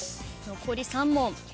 残り３問。